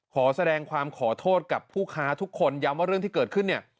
ขอแสดงความขอโทษกับผู้ค้าทุกคนย้ำว่าเรื่องที่เกิดขึ้นเนี่ย